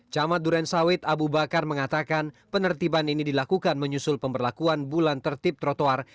camat duren sawit abu bakar mengatakan penertiban ini dilakukan menyusul pemberlakuan bulan tertib trotoar